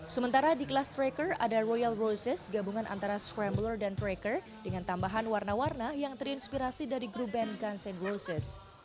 sementara di kelas tracker ada royal roses gabungan antara scrambler dan tracker dengan tambahan warna warna yang terinspirasi dari grup band gunsen roses